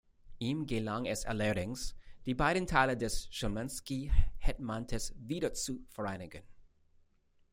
Ihm gelang es allerdings, die beiden Teile des Chmelnyzkyj-Hetmanates wieder zu vereinigen.